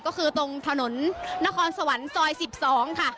ก็คือตรงถนนนครสวรรค์ซอย๑๒ค่ะ